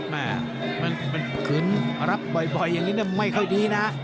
แม่มันขืนรับบ่อยอย่างนี้ไม่ค่อยดีนะ